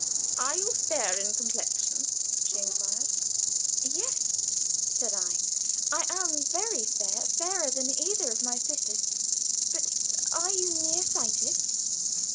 "Are you fair in complexion?" she inquired. "Yes," said I. "I am very fair fairer than either of my sisters. But are you near sighted?"